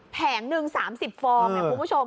แผงหนึ่ง๓๐ฟองคุณผู้ชม